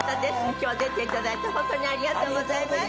今日は出て頂いて本当にありがとうございました。